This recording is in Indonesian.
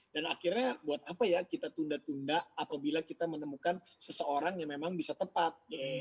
dan akhirnya buat apa ya kita tunda tunda apabila kita menemukan seseorang yang memang bisa tepat